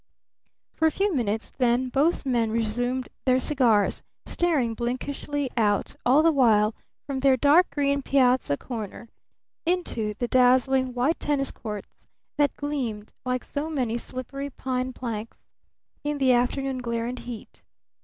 For a few minutes then both men resumed their cigars, staring blinkishly out all the while from their dark green piazza corner into the dazzling white tennis courts that gleamed like so many slippery pine planks in the afternoon glare and heat.